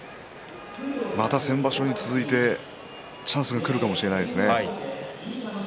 また先場所に続いてチャンスがくるかもしれないですね。